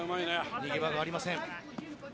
逃げ場がありません。